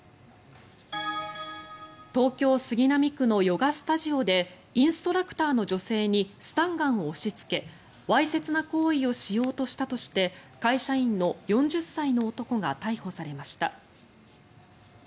東京・杉並区のヨガスタジオでインストラクターの女性にスタンガンを押しつけわいせつな行為をしようとしたとして会社員の４０歳の男が逮捕されました。